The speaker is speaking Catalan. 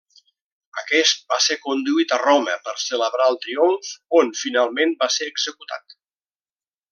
Aquest va ser conduït a Roma, per celebrar el triomf, on finalment va ser executat.